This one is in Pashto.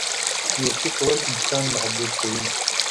نیکي کول انسان محبوب کوي.